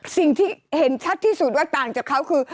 สิ่งที่เห็นชัดที่สุดว่าต่างจากเขาคือ